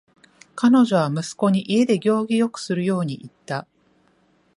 彼女は息子に家で行儀よくするように言った。